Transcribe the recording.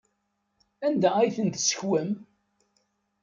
Anda ay ten-tessekwem?